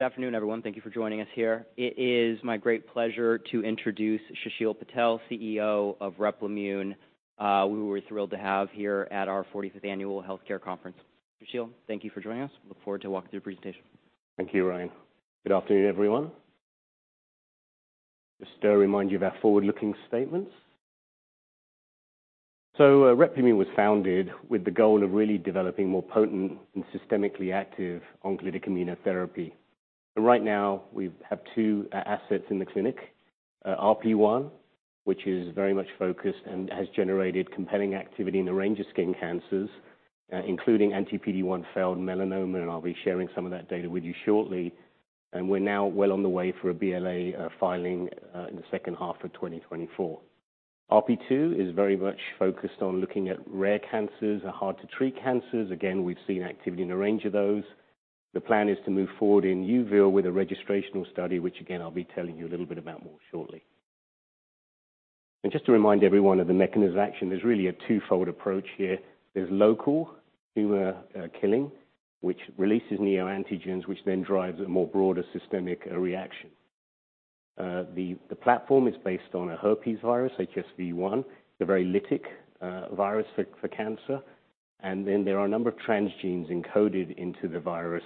Good afternoon, everyone. Thank you for joining us here. It is my great pleasure to introduce Sushil Patel, CEO of Replimune. We were thrilled to have here at our 45th Annual Healthcare Conference. Sushil, thank you for joining us. Look forward to walking through your presentation. Thank you, Ryan. Good afternoon, everyone. Just to remind you of our forward-looking statements. So, Replimune was founded with the goal of really developing more potent and systemically active oncolytic immunotherapy. And right now, we have two assets in the clinic. RP1, which is very much focused and has generated compelling activity in a range of skin cancers, including anti-PD-1 failed melanoma, and I'll be sharing some of that data with you shortly. And we're now well on the way for a BLA filing in the second half of 2024. RP2 is very much focused on looking at rare cancers and hard-to-treat cancers. Again, we've seen activity in a range of those. The plan is to move forward in uveal with a registrational study, which again, I'll be telling you a little bit about more shortly. And just to remind everyone of the mechanism of action, there's really a twofold approach here. There's local tumor killing, which releases neoantigens, which then drives a more broader systemic reaction. The platform is based on a herpes virus, HSV1, a very lytic virus for cancer. And then there are a number of transgenes encoded into the virus.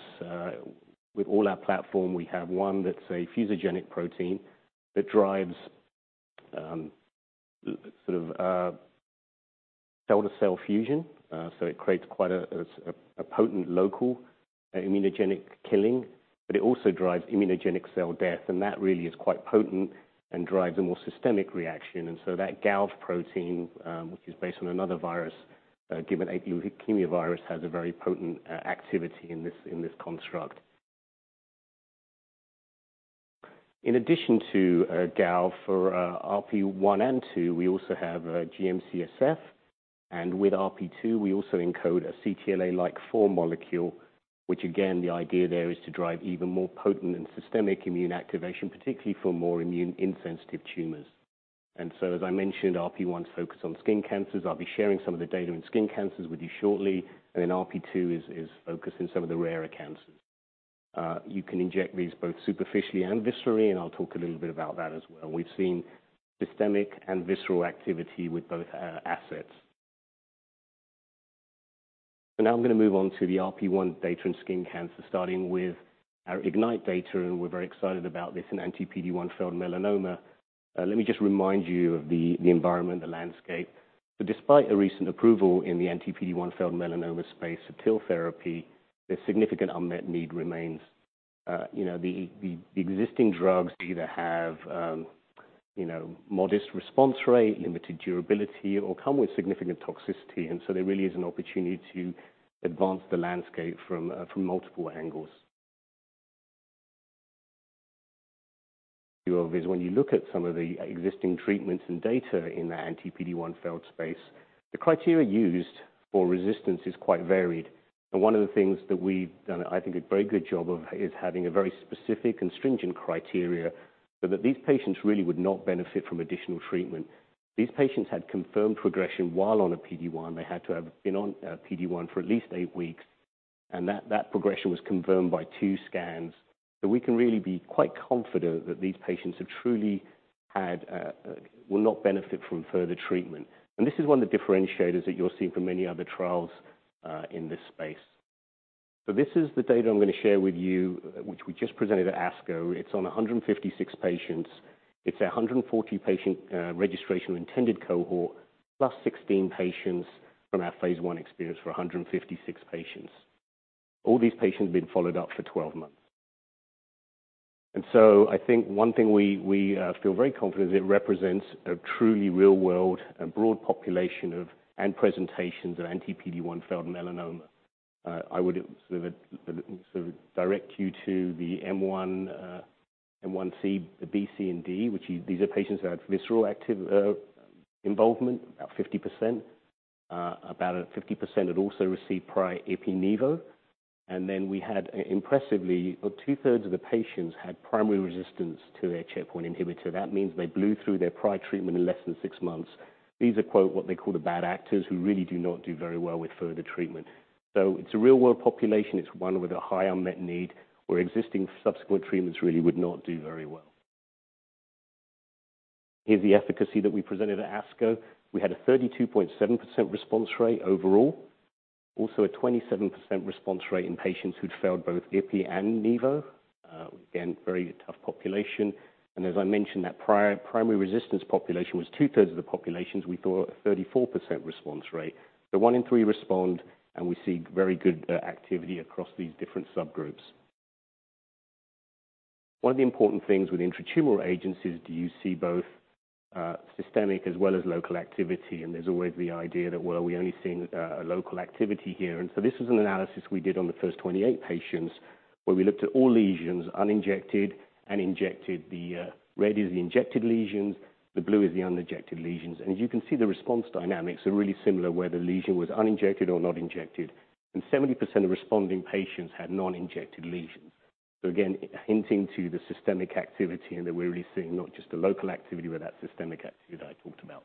With all our platform, we have one that's a fusogenic protein that drives sort of cell-to-cell fusion. So it creates quite a potent local immunogenic killing, but it also drives immunogenic cell death, and that really is quite potent and drives a more systemic reaction. And so that GALV protein, which is based on another virus, gibbon ape leukemia virus, has a very potent activity in this construct. In addition to GALV for RP1 and 2, we also have a GM-CSF, and with RP2, we also encode a CTLA-4 molecule, which again, the idea there is to drive even more potent and systemic immune activation, particularly for more immune-insensitive tumors. So, as I mentioned, RP1's focused on skin cancers. I'll be sharing some of the data in skin cancers with you shortly, and then RP2 is focused in some of the rarer cancers. You can inject these both superficially and viscerally, and I'll talk a little bit about that as well. We've seen systemic and visceral activity with both assets. So now I'm going to move on to the RP1 data in skin cancer, starting with our IGNITE data, and we're very excited about this in anti-PD-1 failed melanoma. Let me just remind you of the environment, the landscape. Despite a recent approval in the anti-PD-1 failed melanoma space TIL therapy, the significant unmet need remains. You know, the existing drugs either have, you know, modest response rate, limited durability, or come with significant toxicity, and so there really is an opportunity to advance the landscape from multiple angles. It's when you look at some of the existing treatments and data in the anti-PD-1 failed space, the criteria used for resistance is quite varied. One of the things that we've done, I think, a very good job of, is having a very specific and stringent criteria, so that these patients really would not benefit from additional treatment. These patients had confirmed progression while on a PD-1. They had to have been on PD-1 for at least 8 weeks, and that progression was confirmed by 2 scans. So we can really be quite confident that these patients have truly had will not benefit from further treatment. And this is one of the differentiators that you'll see from many other trials in this space. So this is the data I'm going to share with you, which we just presented at ASCO. It's on 156 patients. It's a 140-patient registration-intended cohort, plus 16 patients from our phase I experience for 156 patients. All these patients have been followed up for 12 months. And so I think one thing we feel very confident is it represents a truly real-world and broad population of and presentations of anti-PD-1 failed melanoma. I would sort of direct you to the M1, M1c, the B, C, and D, which is these are patients who had visceral active involvement, about 50%. About 50% had also received prior ipi/nivo. And then we had impressively, about 2/3 of the patients had primary resistance to a checkpoint inhibitor. That means they blew through their prior treatment in less than six months. These are, quote, "what they call the bad actors," who really do not do very well with further treatment. So it's a real-world population. It's one with a high unmet need, where existing subsequent treatments really would not do very well. Here's the efficacy that we presented at ASCO. We had a 32.7% response rate overall, also a 27% response rate in patients who'd failed both ipi and nivo. Again, very tough population. As I mentioned, that prior primary resistance population was two-thirds of the populations, we saw a 34% response rate. So one in three respond, and we see very good activity across these different subgroups. One of the important things with intratumoral agents is, do you see both systemic as well as local activity? And there's always the idea that, well, we're only seeing a local activity here. And so this is an analysis we did on the first 28 patients, where we looked at all lesions, uninjected and injected. The red is the injected lesions, the blue is the uninjected lesions. And as you can see, the response dynamics are really similar, where the lesion was uninjected or not injected, and 70% of responding patients had non-injected lesions. So again, hinting to the systemic activity and that we're really seeing not just the local activity, but that systemic activity that I talked about.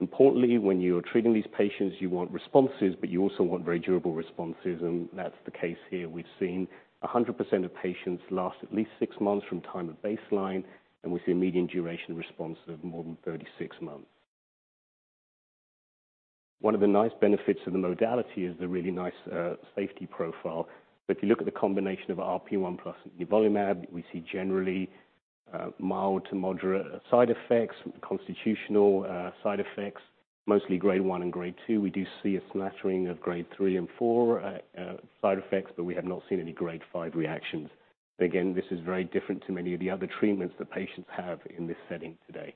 Importantly, when you are treating these patients, you want responses, but you also want very durable responses, and that's the case here. We've seen 100% of patients last at least six months from time of baseline, and we see a median duration response of more than 36 months. One of the nice benefits of the modality is the really nice safety profile. But if you look at the combination of RP1 plus nivolumab, we see generally mild to moderate side effects, constitutional side effects, mostly grade one and grade two. We do see a smattering of grade three and four side effects, but we have not seen any grade five reactions. Again, this is very different to many of the other treatments that patients have in this setting today.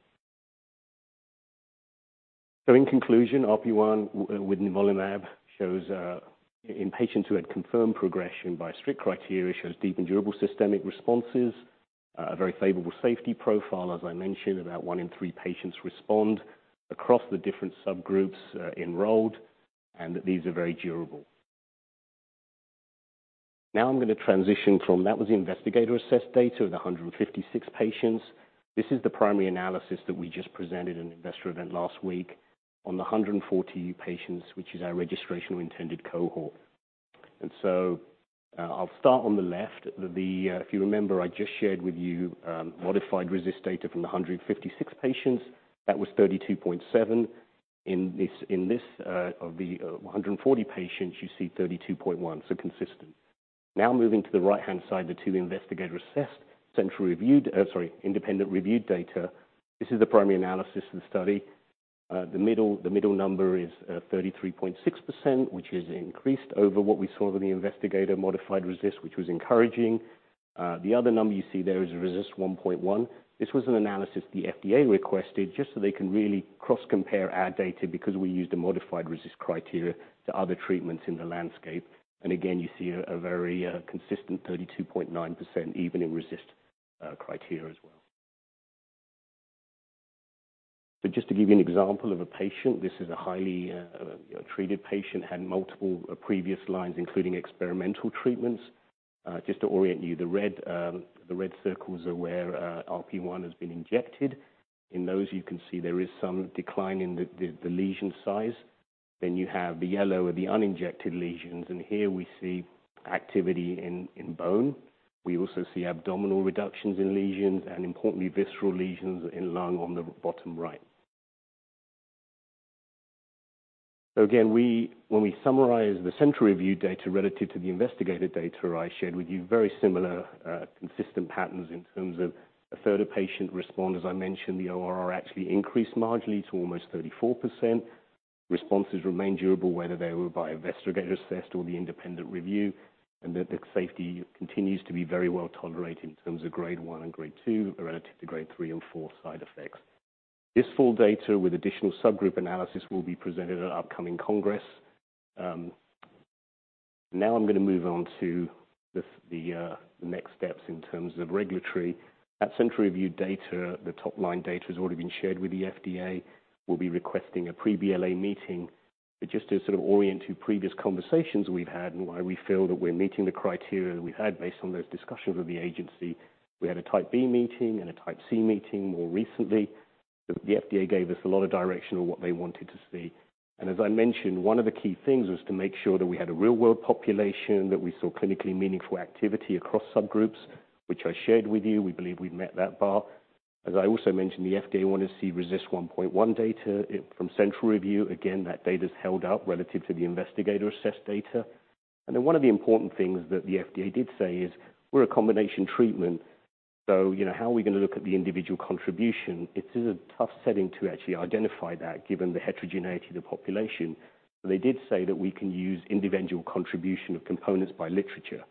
So in conclusion, RP1 with nivolumab shows, in patients who had confirmed progression by strict criteria, shows deep and durable systemic responses, a very favorable safety profile. As I mentioned, about one in three patients respond across the different subgroups, enrolled, and these are very durable. Now I'm going to transition from that was the investigator-assessed data of the 156 patients. This is the primary analysis that we just presented in investor event last week on the 140 patients, which is our registrational intended cohort. And so, I'll start on the left. The, if you remember, I just shared with you, modified RECIST data from the 156 patients. That was 32.7. In this of the 140 patients, you see 32.1, so consistent. Now, moving to the right-hand side, the two investigator-assessed, central reviewed, independent reviewed data. This is the primary analysis of the study. The middle number is 33.6%, which is increased over what we saw with the investigator modified RECIST, which was encouraging. The other number you see there is RECIST 1.1. This was an analysis the FDA requested just so they can really cross-compare our data because we use the modified RECIST criteria to other treatments in the landscape. And again, you see a very consistent 32.9%, even in RECIST criteria as well. But just to give you an example of a patient, this is a highly treated patient, had multiple previous lines, including experimental treatments. Just to orient you, the red circles are where RP1 has been injected. In those, you can see there is some decline in the lesion size. Then you have the yellow are the uninjected lesions, and here we see activity in bone. We also see abdominal reductions in lesions and importantly, visceral lesions in lung on the bottom right. So again, when we summarize the central review data relative to the investigator data I shared with you, very similar consistent patterns in terms of a third of patient response. As I mentioned, the ORR actually increased marginally to almost 34%. Responses remain durable, whether they were by investigator-assessed or the independent review, and that the safety continues to be very well tolerated in terms of grade one and grade two, relative to grade three and four side effects. This full data with additional subgroup analysis will be presented at upcoming congress. Now I'm going to move on to the next steps in terms of regulatory. At central review data, the top-line data has already been shared with the FDA. We'll be requesting a pre-BLA meeting. But just to sort of orient to previous conversations we've had and why we feel that we're meeting the criteria that we've had based on those discussions with the agency, we had a type B meeting and a type C meeting more recently. The FDA gave us a lot of direction on what they wanted to see. As I mentioned, one of the key things was to make sure that we had a real-world population, that we saw clinically meaningful activity across subgroups, which I shared with you. We believe we've met that bar. As I also mentioned, the FDA wanted to see RECIST 1.1 data from central review. Again, that data is held up relative to the investigator-assessed data. And then one of the important things that the FDA did say is we're a combination treatment, so, you know, how are we going to look at the individual contribution? It is a tough setting to actually identify that, given the heterogeneity of the population. But they did say that we can use individual contribution of components by literature.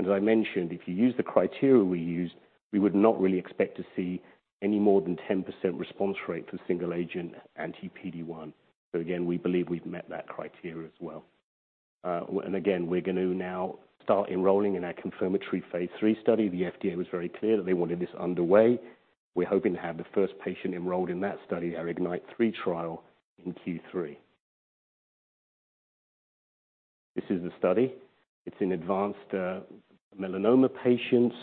As I mentioned, if you use the criteria we used, we would not really expect to see any more than 10% response rate for single agent anti-PD-1. So again, we believe we've met that criteria as well. And again, we're going to now start enrolling in our confirmatory phase III study. The FDA was very clear that they wanted this underway. We're hoping to have the first patient enrolled in that study, our IGNITE-3 trial, in Q3. This is the study. It's in advanced melanoma patients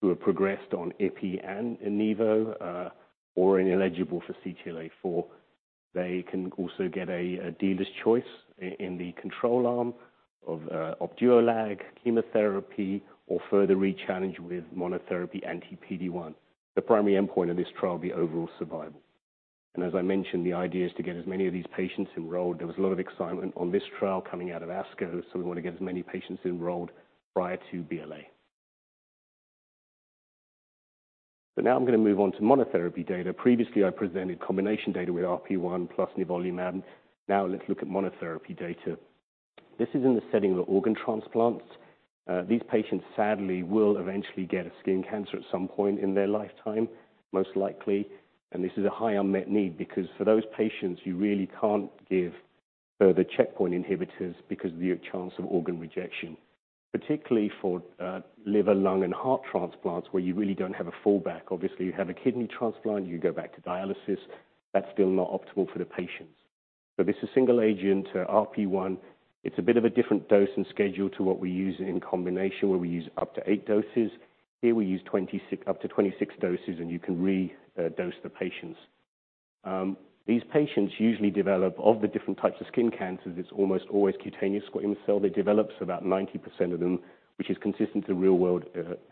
who have progressed on IPI and nivolumab, or are ineligible for CTLA-4. They can also get a dealer's choice in the control arm of Opduolag chemotherapy or further re-challenge with monotherapy anti-PD-1. The primary endpoint of this trial will be overall survival. And as I mentioned, the idea is to get as many of these patients enrolled. There was a lot of excitement on this trial coming out of ASCO, so we want to get as many patients enrolled prior to BLA. But now I'm going to move on to monotherapy data. Previously, I presented combination data with RP1 plus nivolumab. Now, let's look at monotherapy data. This is in the setting of organ transplants. These patients sadly will eventually get a skin cancer at some point in their lifetime, most likely. This is a high unmet need because for those patients, you really can't give further checkpoint inhibitors because of the chance of organ rejection, particularly for liver, lung, and heart transplants, where you really don't have a fallback. Obviously, you have a kidney transplant, you go back to dialysis. That's still not optimal for the patients.... This is single agent RP1. It's a bit of a different dose and schedule to what we use in combination, where we use up to eight doses. Here we use 26-- up to 26 doses, and you can redose the patients. These patients usually develop of the different types of skin cancers. It's almost always cutaneous squamous cell. They develop, so about 90% of them, which is consistent to real world,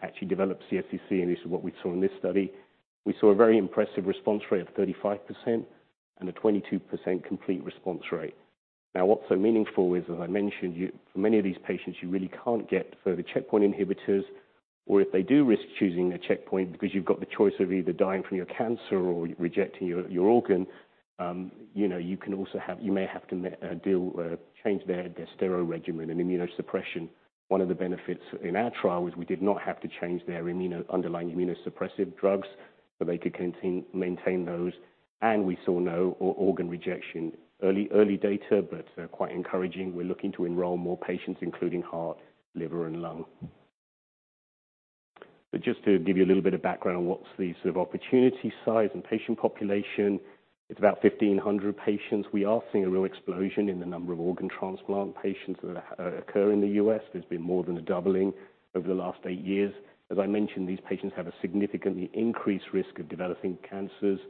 actually develop CSCC, and this is what we saw in this study. We saw a very impressive response rate of 35% and a 22% complete response rate. Now, what's so meaningful is, as I mentioned, for many of these patients, you really can't get further checkpoint inhibitors, or if they do risk choosing a checkpoint because you've got the choice of either dying from your cancer or rejecting your organ, you know, you can also have to make a deal to change their steroid regimen and immunosuppression. One of the benefits in our trial was we did not have to change their underlying immunosuppressive drugs, so they could maintain those, and we saw no organ rejection. Early data, but quite encouraging. We're looking to enroll more patients, including heart, liver, and lung. But just to give you a little bit of background on what's the sort of opportunity size and patient population, it's about 1,500 patients. We are seeing a real explosion in the number of organ transplant patients that occur in the U.S. There's been more than a doubling over the last eight years. As I mentioned, these patients have a significantly increased risk of developing cancers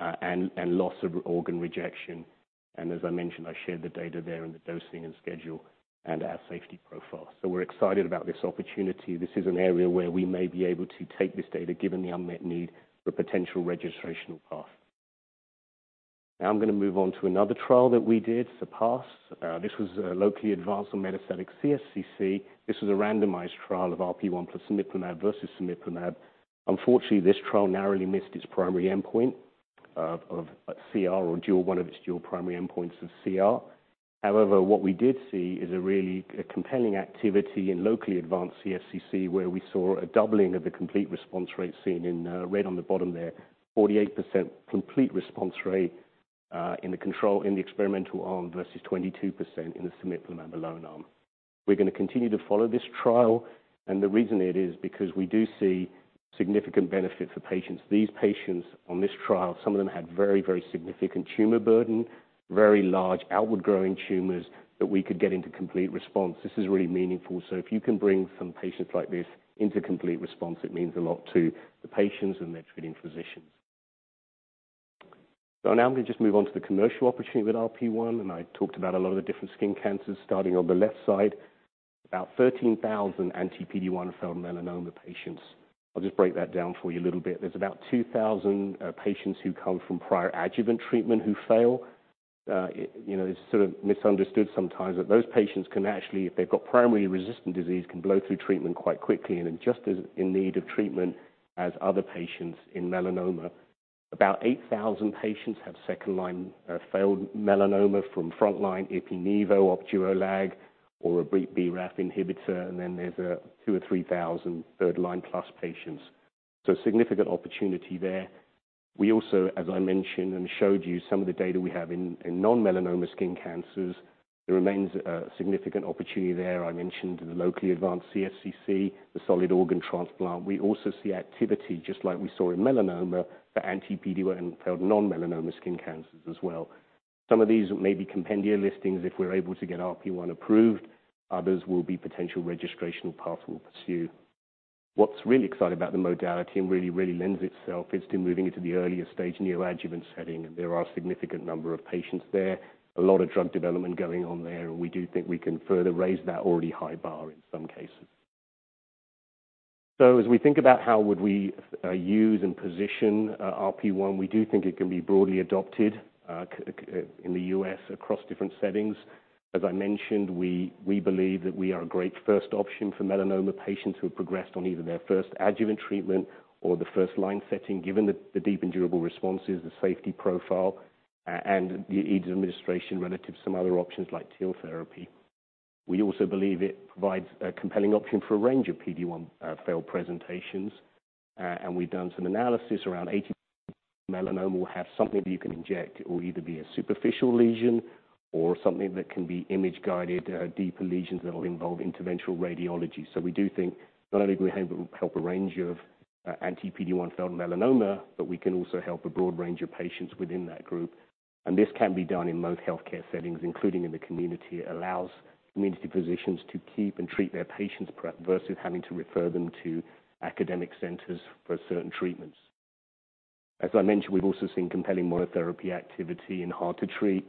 and loss of organ rejection. And as I mentioned, I shared the data there and the dosing and schedule and our safety profile. So we're excited about this opportunity. This is an area where we may be able to take this data, given the unmet need for a potential registrational path. Now, I'm going to move on to another trial that we did, CERPASS. This was a locally advanced or metastatic CSCC. This was a randomized trial of RP1 plus cemiplimab versus cemiplimab. Unfortunately, this trial narrowly missed its primary endpoint of CR or dual, one of its dual primary endpoints of CR. However, what we did see is a really, a compelling activity in locally advanced CSCC, where we saw a doubling of the complete response rate seen in, red on the bottom there, 48% complete response rate in the control in the experimental arm versus 22% in the cemiplimab alone arm. We're going to continue to follow this trial, and the reason it is because we do see significant benefit for patients. These patients on this trial, some of them had very, very significant tumor burden, very large outward growing tumors that we could get into complete response. This is really meaningful. So if you can bring some patients like this into complete response, it means a lot to the patients and their treating physicians. So now I'm going to just move on to the commercial opportunity with RP1, and I talked about a lot of the different skin cancers starting on the left side. About 13,000 anti-PD-1 failed melanoma patients. I'll just break that down for you a little bit. There's about 2,000 patients who come from prior adjuvant treatment who fail. You know, it's sort of misunderstood sometimes that those patients can actually, if they've got primary resistant disease, can blow through treatment quite quickly and are just as in need of treatment as other patients in melanoma. About 8,000 patients have second-line failed melanoma from frontline ipi, nivo, Opduolag, or a BRAF inhibitor, and then there's a 2,000 or 3,000 third-line plus patients. So significant opportunity there. We also, as I mentioned and showed you some of the data we have in non-melanoma skin cancers, there remains a significant opportunity there. I mentioned the locally advanced CSCC, the solid organ transplant. We also see activity, just like we saw in melanoma, for anti-PD-1 and failed non-melanoma skin cancers as well. Some of these may be compendia listings if we're able to get RP1 approved. Others will be potential registrational path we'll pursue. What's really exciting about the modality and really, really lends itself is to moving it to the earlier stage neoadjuvant setting, and there are a significant number of patients there, a lot of drug development going on there, and we do think we can further raise that already high bar in some cases. So as we think about how would we use and position RP1, we do think it can be broadly adopted in the U.S. across different settings. As I mentioned, we believe that we are a great first option for melanoma patients who have progressed on either their first adjuvant treatment or the first-line setting, given the deep and durable responses, the safety profile, and the ease of administration relative to some other options like TIL therapy. We also believe it provides a compelling option for a range of PD-1 failed presentations, and we've done some analysis around 80% of melanoma will have something that you can inject. It will either be a superficial lesion or something that can be image-guided deeper lesions that will involve interventional radiology. So we do think not only do we have help a range of anti-PD-1 failed melanoma, but we can also help a broad range of patients within that group. And this can be done in most healthcare settings, including in the community. It allows community physicians to keep and treat their patients prep versus having to refer them to academic centers for certain treatments. As I mentioned, we've also seen compelling monotherapy activity in hard to treat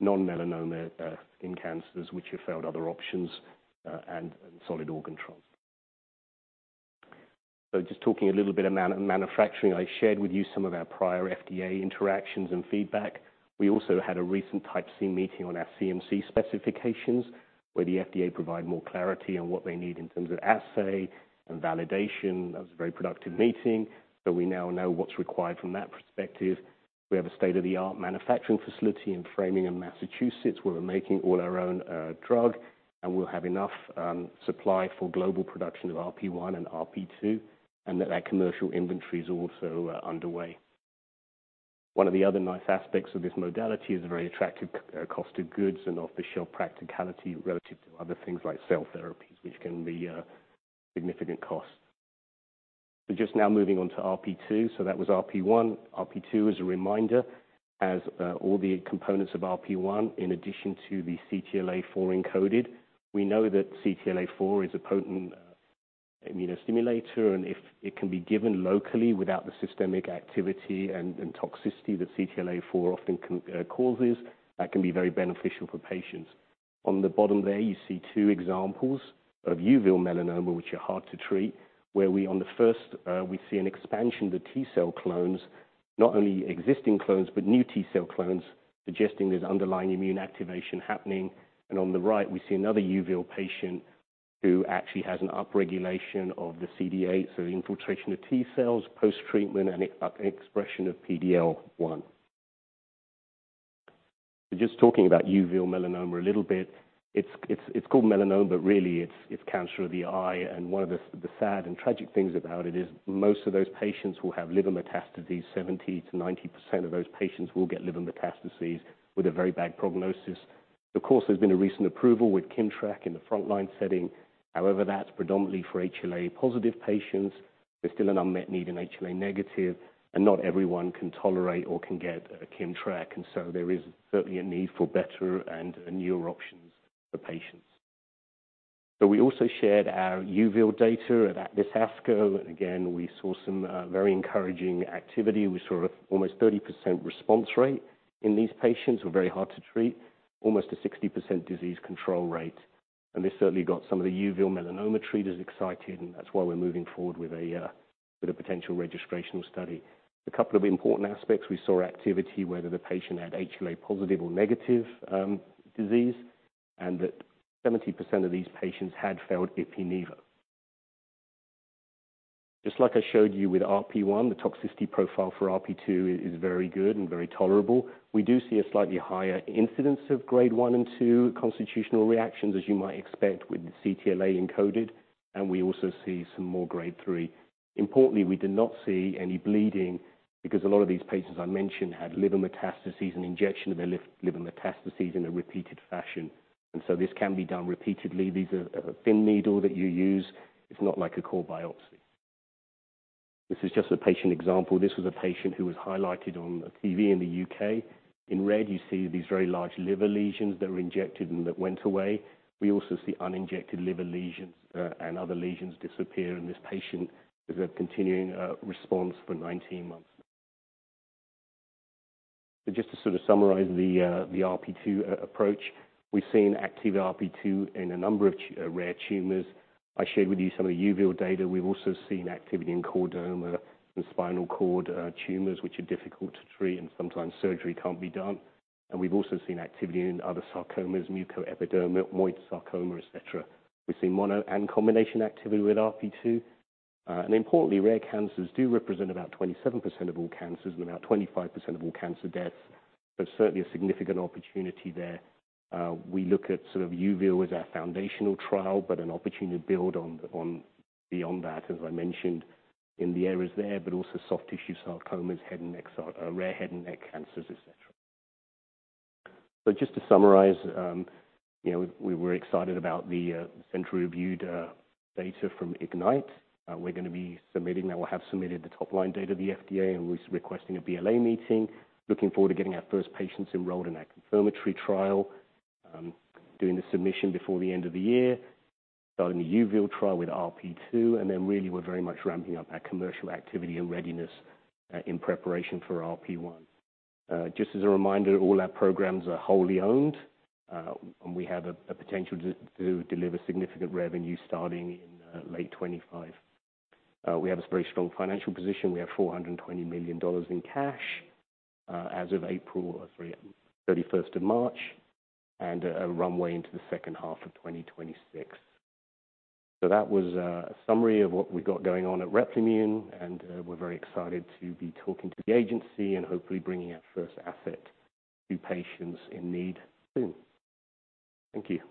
non-melanoma skin cancers, which have failed other options and solid organ control. So just talking a little bit of manufacturing. I shared with you some of our prior FDA interactions and feedback. We also had a recent Type C meeting on our CMC specifications, where the FDA provided more clarity on what they need in terms of assay and validation. That was a very productive meeting, so we now know what's required from that perspective. We have a state-of-the-art manufacturing facility in Framingham, Massachusetts, where we're making all our own drug, and we'll have enough supply for global production of RP1 and RP2, and that commercial inventory is also underway. One of the other nice aspects of this modality is a very attractive cost of goods and off-the-shelf practicality relative to other things like cell therapies, which can be a significant cost. We're just now moving on to RP2. So that was RP1. RP2, as a reminder, has all the components of RP1, in addition to the CTLA-4 encoded. We know that CTLA-4 is a potent immunostimulator, and if it can be given locally without the systemic activity and toxicity that CTLA-4 often can causes, that can be very beneficial for patients. On the bottom there, you see two examples of uveal melanoma, which are hard to treat, where we on the first, we see an expansion of the T cell clones, not only existing clones but new T cell clones, suggesting there's underlying immune activation happening. And on the right, we see another uveal patient who actually has an upregulation of the CD8, so infiltration of T cells, post-treatment and up-expression of PD-L1. So just talking about uveal melanoma a little bit. It's called melanoma, but really, it's cancer of the eye, and one of the sad and tragic things about it is most of those patients will have liver metastases. 70%-90% of those patients will get liver metastases with a very bad prognosis. Of course, there's been a recent approval with Keytruda in the frontline setting. However, that's predominantly for HLA-positive patients. There's still an unmet need in HLA-negative, and not everyone can tolerate or can get Keytruda, and so there is certainly a need for better and newer options for patients. So we also shared our uveal data at this ASCO, and again, we saw some very encouraging activity. We saw almost 30% response rate in these patients who are very hard to treat, almost a 60% disease control rate. And this certainly got some of the uveal melanoma treaters excited, and that's why we're moving forward with a with a potential registrational study. A couple of important aspects, we saw activity whether the patient had HLA positive or negative disease, and that 70% of these patients had failed ipi/nivo. Just like I showed you with RP1, the toxicity profile for RP2 is very good and very tolerable. We do see a slightly higher incidence of grade one and two constitutional reactions, as you might expect with the CTLA encoded, and we also see some more grade three. Importantly, we did not see any bleeding because a lot of these patients I mentioned had liver metastases and injection of their liver metastases in a repeated fashion. And so this can be done repeatedly. These are a thin needle that you use. It's not like a core biopsy. This is just a patient example. This was a patient who was highlighted on TV in the UK. In red, you see these very large liver lesions that were injected and that went away. We also see uninjected liver lesions, and other lesions disappear, and this patient is a continuing response for 19 months. So just to sort of summarize the RP2 approach, we've seen active RP2 in a number of rare tumors. I shared with you some of the uveal data. We've also seen activity in chordoma and spinal cord tumors, which are difficult to treat, and sometimes surgery can't be done. And we've also seen activity in other sarcomas, mucoepidermoid sarcoma, et cetera. We've seen mono and combination activity with RP2. And importantly, rare cancers do represent about 27% of all cancers and about 25% of all cancer deaths. There's certainly a significant opportunity there. We look at sort of uveal as our foundational trial, but an opportunity to build on beyond that, as I mentioned, in the areas there, but also soft tissue sarcomas, head and neck rare head and neck cancers, et cetera. So just to summarize, you know, we're excited about the centrally reviewed data from IGNITE. We're gonna be submitting now or we have submitted the top-line data to the FDA, and we're requesting a BLA meeting. Looking forward to getting our first patients enrolled in our confirmatory trial, doing the submission before the end of the year, starting the uveal trial with RP2, and then really, we're very much ramping up our commercial activity and readiness, in preparation for RP1. Just as a reminder, all our programs are wholly owned, and we have a potential to deliver significant revenue starting in late 2025. We have a very strong financial position. We have $420 million in cash, as of April or sorry, March 31st, and a runway into the second half of 2026. So that was a summary of what we've got going on at Replimune, and we're very excited to be talking to the agency and hopefully bringing our first asset to patients in need soon. Thank you.